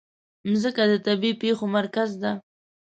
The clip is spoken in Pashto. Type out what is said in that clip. مځکه د طبیعي پېښو مرکز ده.